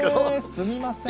すみません。